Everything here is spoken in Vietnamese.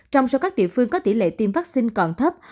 trong số các địa phương có tỷ lệ tiêm vaccine còn thấp